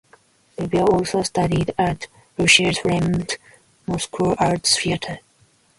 Weber also studied at Russia's famed Moscow Art Theatre.